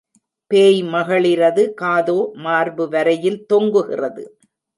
பேய் மகளிரது காதோ மார்பு வரையில் தொங்குகிறது.